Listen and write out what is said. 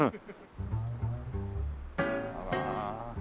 あら。